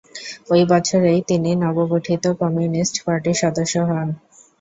ওই বছরেই তিনি নবগঠিত কমিউনিস্ট পার্টির সদস্য হন।